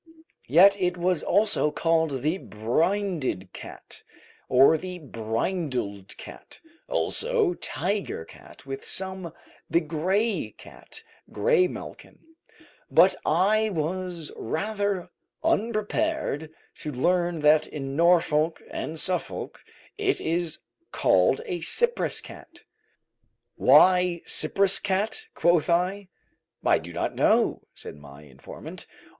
Yet it was also called the brinded cat, or the brindled cat, also tiger cat, with some the gray cat, graymalkin; but I was rather unprepared to learn that in Norfolk and Suffolk it is called a Cyprus cat. "Why Cyprus cat?" quoth I. "I do not know," said my informant.